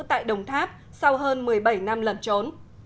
tại đồng tháp sau hơn một mươi bảy năm lần